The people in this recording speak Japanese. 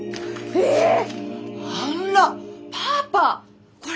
えっ！